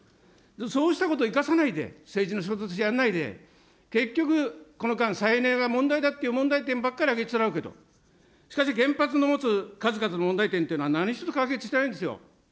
そうしたこと生かさないで、政治の仕事としてやんないで、結局、この間、再エネは問題だっていう問題点ばっかりあげつらうけど、しかし、原発の持つ数々の問題点っていうのは何一つ解決してないんですよ。